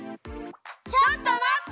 ちょっと待っと！